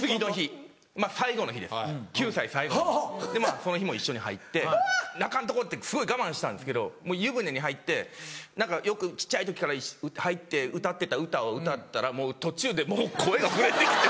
その日も一緒に入って泣かんとこ！ってすごい我慢してたんですけど湯船に入ってよく小っちゃい時から歌ってた歌を歌ったらもう途中で声が震えて来て。